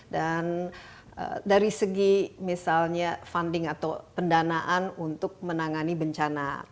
dan dari segi misalnya funding atau pendanaan untuk menangani bencana